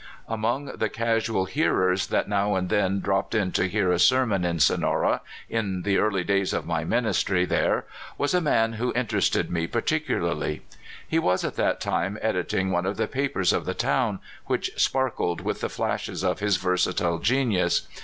Among the casual hearers that now and then dropped in to hear a sermon in Sonora, in the earl}^ days of m}^ ministry there, was a man who interested me particularly. He was at that time editing one of the papers of the town, which sparkled with the flashes of his versatile genius.